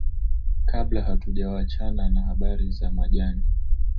kabla hatujawachana na habari za majini